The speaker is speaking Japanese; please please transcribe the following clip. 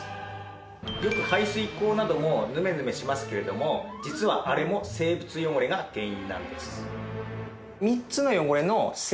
よく排水口などもヌメヌメしますけれども実はあれも生物汚れが原因なんです。